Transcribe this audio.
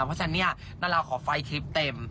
เพราะฉะนั้นเนี่ยนาราขอไฟล์คลิปเต็ม